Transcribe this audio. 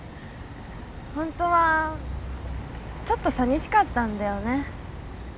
ホントはちょっとさみしかったんだよね。